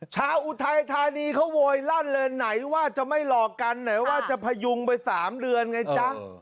อุทัยธานีเขาโวยลั่นเลยไหนว่าจะไม่หลอกกันไหนว่าจะพยุงไป๓เดือนไงจ๊ะ